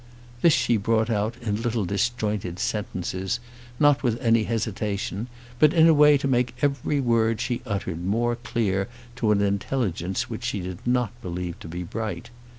This she brought out in little disjointed sentences, not with any hesitation, but in a way to make every word she uttered more clear to an intelligence which she did not believe to be bright.